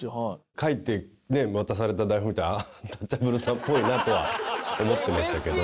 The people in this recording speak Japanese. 書いて渡された台本見てアンタッチャブルさんっぽいなとは思ってましたけど。